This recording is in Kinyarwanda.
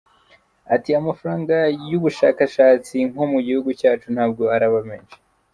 Ati “Amafaranga y’ubushakshatsi nko mu gihugu cyacu ntabwo araba menshi.